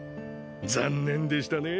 残念でしたね